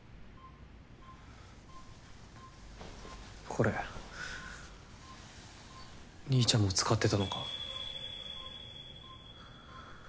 これ兄ちゃんも使ってたのか？